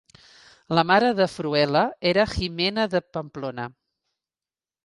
la mare de Fruela era Jimena de Pamplona.